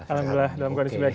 alhamdulillah dalam kondisi sehat